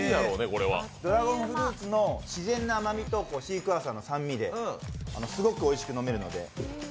ドラゴンフルーツの自然な甘みとシークヮーサーの酸味ですごくおいしく飲めるので。